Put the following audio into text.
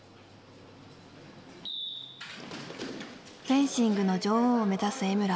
フェンシングの女王を目指す江村。